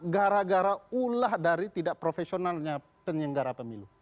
gara gara ulah dari tidak profesionalnya penyelenggara pemilu